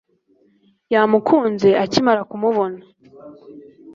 yamukunze akimara kubona